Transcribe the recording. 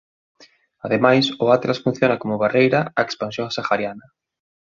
Ademais o Atlas funciona como barreira á expansión sahariana.